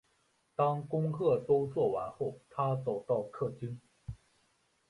当功课都做完后，她走到客厅